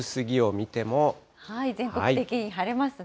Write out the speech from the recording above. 全国的に晴れますね。